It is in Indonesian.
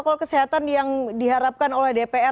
pembelajaran yang diharapkan oleh dpr